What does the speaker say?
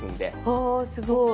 はあすごい。